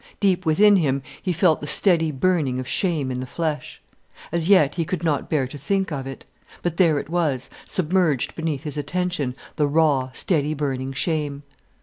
Deep within him he felt the steady burning of shame in the flesh. As yet he could not bear to think of it. But there it was, submerged beneath his attention, the raw, steady burning shame.